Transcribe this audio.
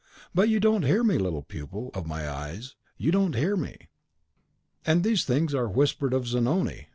But you don't hear me, little pupil of my eyes, you don't hear me!" "And these things are whispered of Zanoni!"